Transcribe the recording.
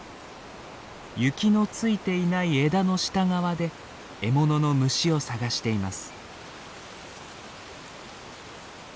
雪の付いていない枝の下側で獲物の虫を探しています。